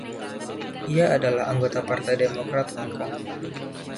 Ia adalah anggota Partai Demokrat Hong Kong.